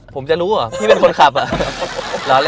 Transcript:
ผมจะรู้เหรอพี่เป็นคนขับอ่ะ